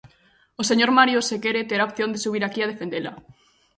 O señor Mario, se quere, terá opción de subir aquí a defendela.